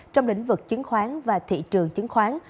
trong lĩnh vực chứng khoán và thị trường chứng khoán